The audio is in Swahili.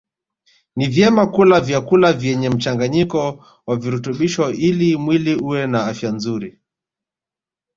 Ni vyema kula vyakula vyenye mchanganyiko wa virutubisho ili mwili uwe na afya nzuri